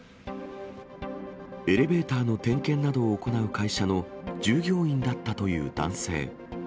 エレベーターの点検などを行う会社の従業員だったという男性。